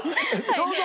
どうぞ！